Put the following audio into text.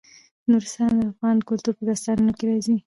نورستان د افغان کلتور په داستانونو کې راځي.